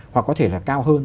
hoặc có thể là cao hơn